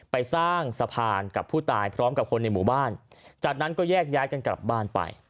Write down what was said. ไปสร้างสะพานกับผู้ตายพร้อมกับคนในหมู่บ้านจากนั้นก็แยกย้ายกันกลับบ้านไป